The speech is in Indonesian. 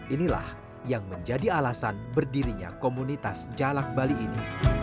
inilah yang menjadi alasan berdirinya komunitas jalak bali ini